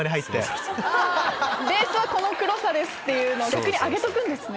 ベースはこの黒さですって逆に上げとくんですね。